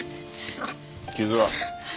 傷は？